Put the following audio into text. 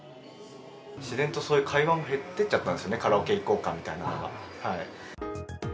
自然とそういう会話も減っていっちゃったんですよね、カラオケ行こうかみたいな。